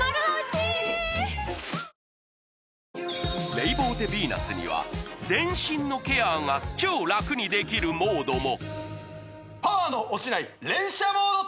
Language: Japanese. レイボーテヴィーナスには全身のケアが超楽にできるモードも・え